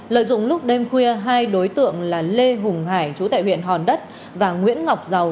lợi dụng lúc đêm khuya hai đối tượng là lê hùng hải chú tại huyện hòn đất và nguyễn ngọc giàu